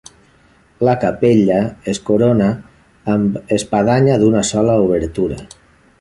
La capella es corona amb espadanya d'una sola obertura.